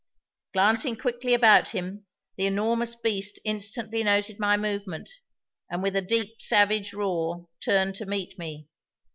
Glancing quickly about him, the enormous beast instantly noted my movement and, with a deep, savage roar, turned to meet me.